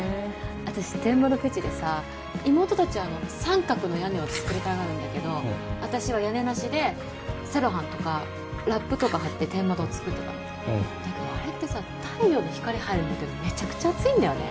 私天窓フェチでさ妹達は三角の屋根を作りたがるんだけど私は屋根なしでセロハンとかラップとか張って天窓を作ってただけどあれってさ太陽の光入るんだけどめちゃくちゃ暑いんだよね